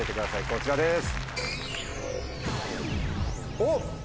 こちらです。